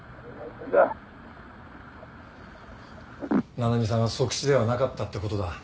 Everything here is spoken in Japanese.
七海さんは即死ではなかったってことだ。